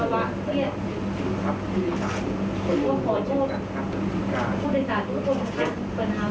ลงมาในทุกอย่างงี้อะไรก็ต้องขายเงิน